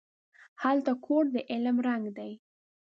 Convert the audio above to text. هلته کور د علم ړنګ دی